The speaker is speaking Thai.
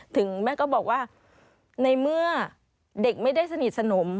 ถึงแม่ก็บอกว่าในเมื่อเด็กไม่ได้สนิทสนม